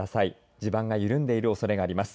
地盤が緩んでいるおそれがあります。